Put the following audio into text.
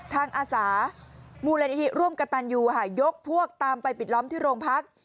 ทางอาสามูลนิธิร่มกะตันยูยกพวกตามไปปิดล้อมที่โรงพักษณ์